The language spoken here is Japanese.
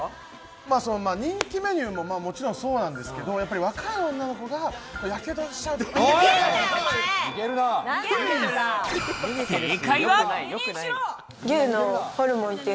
人気メニューももちろんそうなんですけど、若い女の子が火傷しちゃうっていう。